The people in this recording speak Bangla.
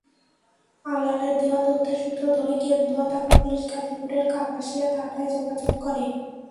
আলালের দেওয়া তথ্যের সূত্র ধরে কেন্দুয়া থানা-পুলিশ গাজীপুরের কাপাসিয়া থানায় যোগাযোগ করে।